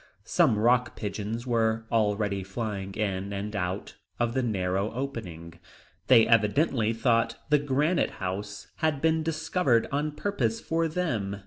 Some rock pigeons were already flying in and out of the narrow opening; they evidently thought that Granite House had been discovered on purpose for them.